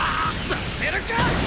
させるか！